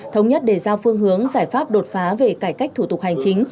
thống nhất để giao phương hướng giải pháp đột phá về cải cách thủ tục hành chính